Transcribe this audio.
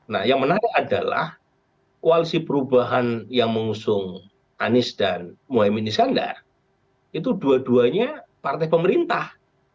nah yang menarik adalah koalisi perubahan yang mengusung anies dan mohaimin iskandar itu dua duanya partai pemerintah